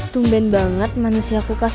tumben banget manusia kulkas